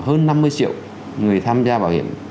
hơn năm mươi triệu người tham gia bảo hiểm